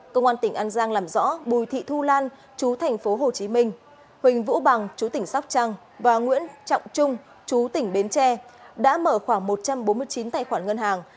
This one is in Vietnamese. công an tỉnh an giang làm rõ bùi thị thu lan chú thành phố hồ chí minh huỳnh vũ bằng chú tỉnh sóc trăng và nguyễn trọng trung chú tỉnh bến tre đã mở khoảng một trăm bốn mươi chín tài khoản ngân hàng